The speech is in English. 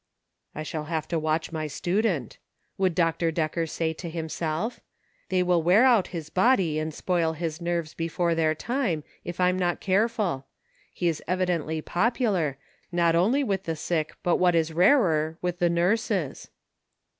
" I shall have to watch my student," would Dr. Decker say to himself ;" they will wear out his body and spoil his nerves before their time if I'm not careful. He is evidently popular, not only with the sick, but what is rarer, with the nurses."